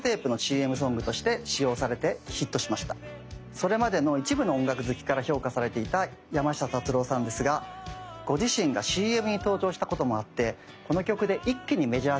それまでの一部の音楽好きから評価されていた山下達郎さんですがご自身がＣＭに登場したこともあってこの曲で一気にメジャーシーンに躍り出たんです。